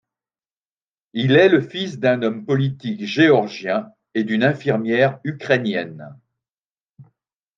Il est le fils d'un homme politique géorgien et d'une infirmière ukrainienne.